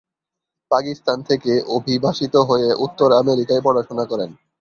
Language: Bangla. পাকিস্তান থেকে অভিবাসিত হয়ে উত্তর আমেরিকায় পড়াশোনা করেন।